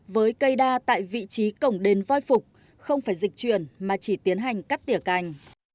với cây đa tại vị trí cổng đền voi phục không phải dịch chuyển mà chỉ tiến hành cắt tỉa cành